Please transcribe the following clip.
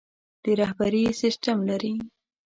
د رهبري سسټم لري.